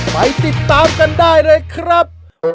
ไปติดตามกันได้เลยครับ